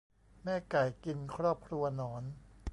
แม่ไก่กินครอบครัวหนอน